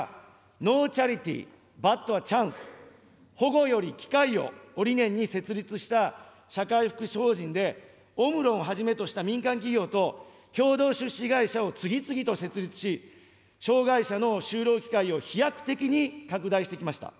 故・中村裕医師が、ノー・チャリティー・バット・ア・チャンス、保護より機会を理念に設立した社会福祉法人で、オムロンをはじめとした民間企業と、共同出資会社を次々と設立し、障害者の就労機会を飛躍的に拡大してきました。